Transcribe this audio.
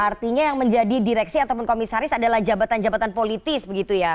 artinya yang menjadi direksi ataupun komisaris adalah jabatan jabatan politis begitu ya